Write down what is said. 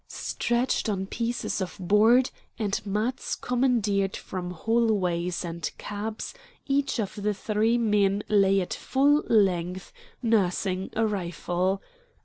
Stretched on pieces of board, and mats commandeered from hallways and cabs, each of the three men lay at full length, nursing a rifle.